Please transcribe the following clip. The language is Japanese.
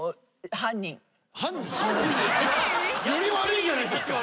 犯人？より悪いじゃないですか。